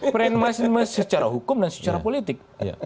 peran secara hukum dan secara politik